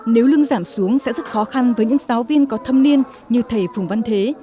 nếu lương giảm xuống sẽ rất khó khăn với những giáo viên có thâm niên như thầy phùng văn thế